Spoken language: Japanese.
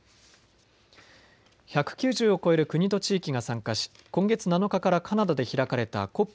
１９０を超える国と地域が参加し今月７日からカナダで開かれたＣＯＰ